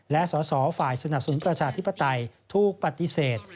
และสสฝ่ายสนับสนุนประชาธิปไตยถูกปฏิเสธ